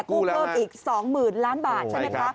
กู้เพิ่มอีก๒๐๐๐ล้านบาทใช่ไหมคะ